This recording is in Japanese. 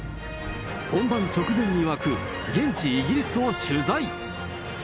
本番直前に沸く、現地イギリスを取材。